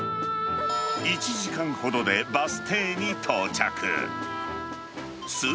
１時間ほどでバス停に到着。